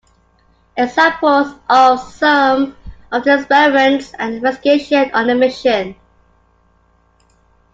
Examples of some of the experiments and investigations on the mission.